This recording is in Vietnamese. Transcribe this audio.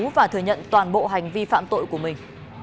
và thừa nhận toàn bộ hành vi phạm tội của mình